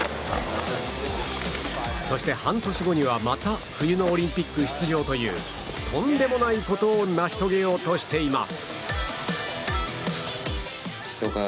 そして半年後にはまた冬のオリンピック出場というとんでもないことを成し遂げようとしています。